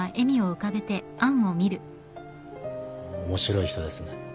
面白い人ですね。